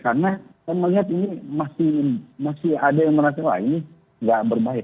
karena kita melihat ini masih ada yang merasa ini tidak berbahaya